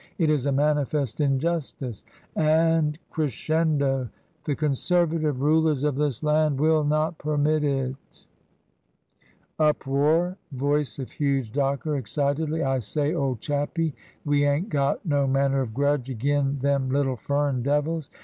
It IS a manifest injustice ; and {crescendo] the Conservative Rulers of this Land will not permit it !" [Uproar: voice of huge docker, excitedly, "I say, old chappie ! We ain't got no manner of grudge ag'in them little furrin devils.